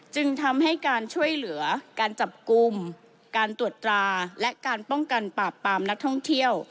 จึงทำให้การช่วยเหลือการจับกลุ่มการตรวจตราและการป้องกันปราบปามนักท่องเที่ยว